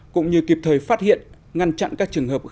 cũng như kịp thời phát hiện ngăn chặn các trường hợp khai thác